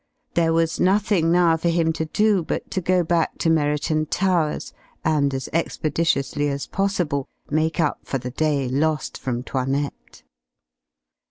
There was nothing now for him to do but to go back to Merriton Towers and as expeditiously as possible make up for the day lost from 'Toinette.